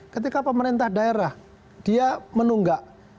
ketika pemerintah daerah dia menunggak